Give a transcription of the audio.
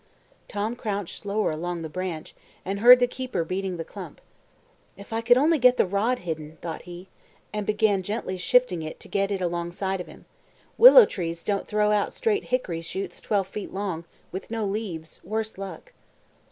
Tom crouched lower along the branch, and heard the keeper beating the clump. "If I could only get the rod hidden," thought he, and began gently shifting it to get it alongside of him: "willow trees don't throw out straight hickory shoots twelve feet long, with no leaves, worse luck."